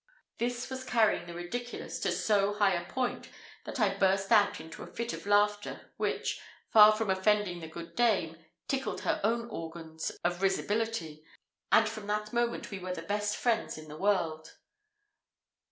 This was carrying the ridiculous to so high a point, that I burst out into a fit of laughter, which, far from offending the good dame, tickled her own organs of risibility, and from that moment we were the best friends in the world.